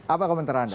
apa komentar anda